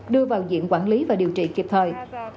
đưa vào diện quản lý và điều trị kịp thời